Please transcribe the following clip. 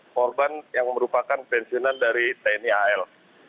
korban yang merupakan pensiunan dari tni al